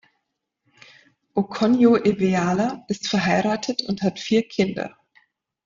Okonjo-Iweala ist verheiratet und hat vier Kinder.